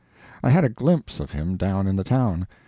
I had a glimpse of him down in the town.